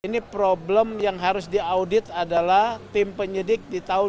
ini problem yang harus diaudit adalah tim penyidik di tahun dua ribu dua puluh